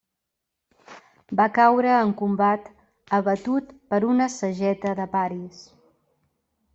Va caure en combat abatut per una sageta de Paris.